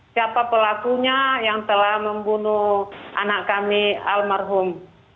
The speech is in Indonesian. siapa pelakunya yang telah membunuh anak kami almarhum